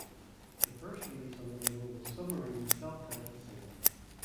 The first release on the label was Submarine's self-titled single.